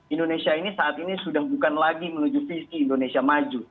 indonesia ini saat ini sudah bukan lagi menuju visi indonesia maju